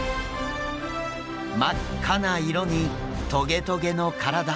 真っ赤な色にトゲトゲの体。